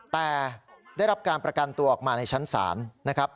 แต่ได้รับการประกันตัวออกมาในชั้นศาลนะครับ